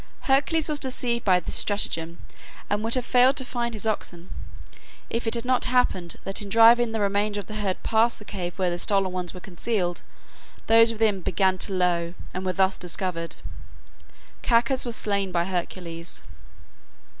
Hercules was deceived by this stratagem, and would have failed to find his oxen, if it had not happened that in driving the remainder of the herd past the cave where the stolen ones were concealed, those within began to low, and were thus discovered. Cacus was slain by Hercules.